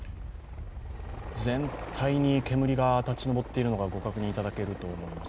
全体に煙が立ち上っているのがご確認いただけると思います。